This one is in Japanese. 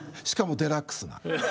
しかもデラックスな。